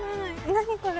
何これ？